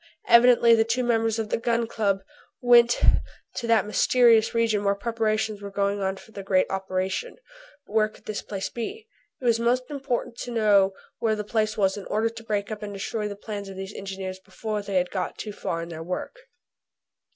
Evidently the two members of the Gun Club went to that mysterious region where preparations were going on for the great operation. But where could this place be? It was most important to know where this place was in order to break up and destroy the plans of these engineers before they had got too far in their work.